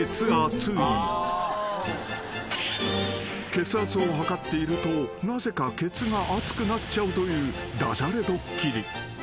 ［血圧を測っているとなぜかケツが熱くなっちゃうというダジャレドッキリ］